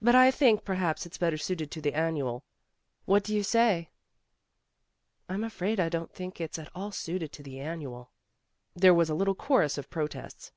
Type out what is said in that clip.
"But I think perhaps it 's better suited to the Annual. What do you say ?'' "I'm afraid I don't think it's at all suited to the Annual." There was a little chorus of protests.